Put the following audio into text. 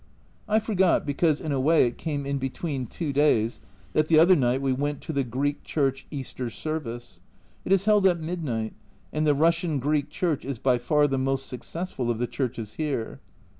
I forgot, because in a way it came in between two days, that the other night we went to the Greek Church Easter Service. It is held at midnight, and the Russian Greek Church is by far the most success ful of the churches here.